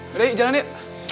berdaya jalan yuk